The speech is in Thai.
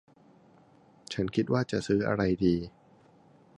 ฉันจะคิดว่าจะซื้ออะไรดี